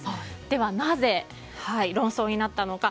では、なぜ論争になったのか。